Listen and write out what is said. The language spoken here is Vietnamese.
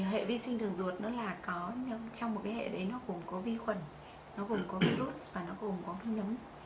hệ vi sinh đường ruột trong một hệ đấy nó cùng có vi khuẩn nó cùng có virus và nó cùng có vi nhấm